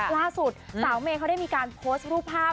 ล่าสุดสาวเมย์เขาได้มีการโพสต์รูปภาพ